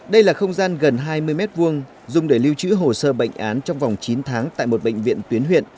đây là không gian gần hai mươi m hai dùng để lưu trữ hồ sơ bệnh án trong vòng chín tháng tại một bệnh viện tuyến huyện